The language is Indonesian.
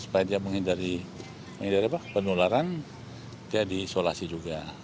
lainnya menghindari penularan dia diisolasi juga